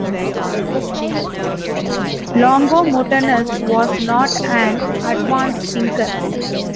Longomontanus was not an advanced thinker.